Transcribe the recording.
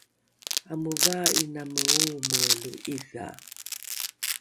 amovaa’inaine oomoe lo’idha